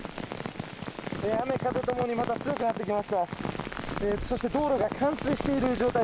雨、風ともにまた強くなってきました。